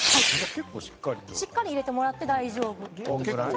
しっかり入れてもらって大丈夫です。